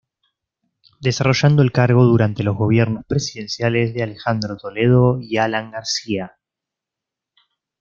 Desarrollando el cargo durante los gobiernos presidenciales de Alejandro Toledo y Alan García.